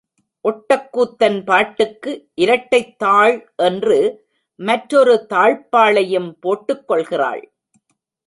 ஒட்டக்கூத்தன் பாட்டுக்கு இரட்டைத் தாழ் என்று மற்றொரு தாழ்ப்பாளையும் போட்டுக் கொள்கிறாள்.